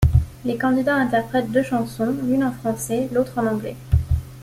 Les candidats interprètent deux chansons, l'une en français, l'autre en anglais.